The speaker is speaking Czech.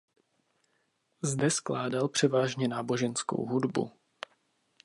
Zde skládal převážně náboženskou hudbu.